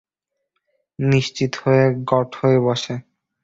নিশ্চিন্ত হয়ে গট হয়ে বস।